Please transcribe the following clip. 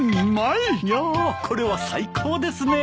いやこれは最高ですねえ。